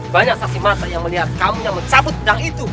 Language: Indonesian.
banyak saksi mata yang melihat kamunya mencabut pedang itu